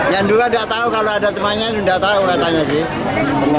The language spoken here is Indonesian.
yang dua tidak tahu kalau ada temannya sudah tahu katanya sih